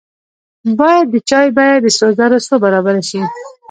باید د چای بیه د سرو زرو څو برابره شي.